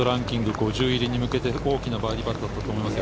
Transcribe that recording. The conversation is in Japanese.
５０位入りに向けて大きなバーディーパットだったと思いますよ。